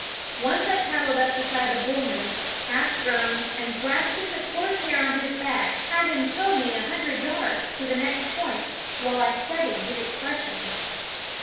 Once I paddled up beside a young bull moose, half grown, and grasping the coarse hair on ?. his back had him tow me a , hundred yards, to the next point, while I studied his expression.